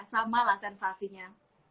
sama lah sensasinya